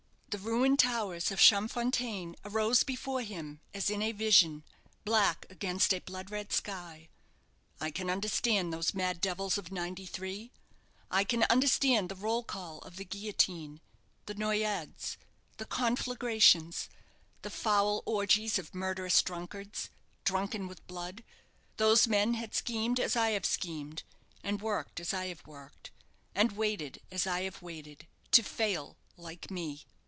The ruined towers of Champfontaine arose before him, as in a vision, black against a blood red sky. "I can understand those mad devils of '93 I can understand the roll call of the guillotine the noyades the conflagrations the foul orgies of murderous drunkards, drunken with blood. Those men had schemed as I have schemed, and worked as I have worked, and waited as I have waited to fail like me!"